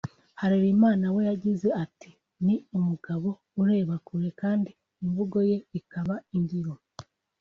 Harerimana we yagize ati “Ni umugabo ureba kure kandi imvugo ye ikaba ingiro